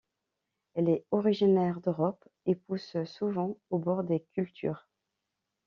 Elle est originaire d'Europe et pousse souvent au bord des cultures.